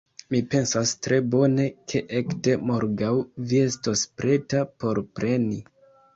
Mi pensas tre bone ke ekde morgaŭ, vi estos preta por preni...